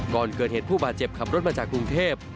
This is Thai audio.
ก่อนเกิดเหตุผู้บาดเจ็บขับรถมาจากกรุงเทพ